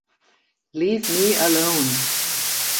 Leave Me Alone!